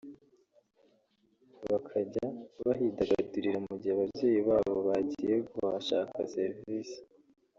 bakajya bahidagadurira mu gihe ababyeyi babo bagiye kuhashaka serivise